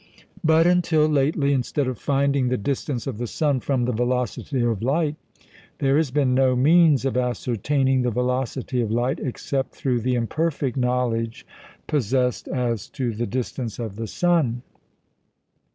But, until lately, instead of finding the distance of the sun from the velocity of light, there has been no means of ascertaining the velocity of light except through the imperfect knowledge possessed as to the distance of the sun.